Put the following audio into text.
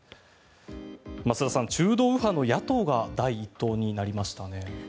増田さん、中道右派の野党が第１党になりましたね。